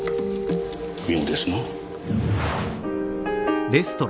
妙ですなぁ。